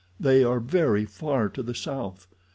They are very far to the south.